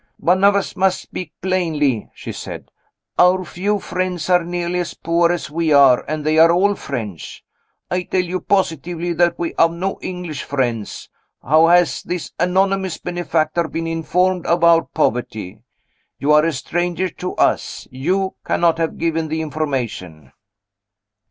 "One of us must speak plainly," she said. "Our few friends are nearly as poor as we are, and they are all French. I tell you positively that we have no English friends. How has this anonymous benefactor been informed of our poverty? You are a stranger to us you cannot have given the information?"